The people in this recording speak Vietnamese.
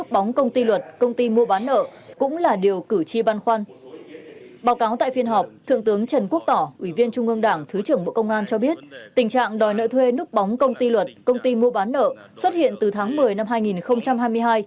báo cáo tại phiên họp thượng tướng trần quốc tỏ ủy viên trung ương đảng thứ trưởng bộ công an cho biết tình trạng đòi nợ thuê núp bóng công ty luật công ty mua bán nợ xuất hiện từ tháng một mươi năm hai nghìn hai mươi hai